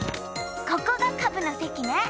ここがカブのせきね。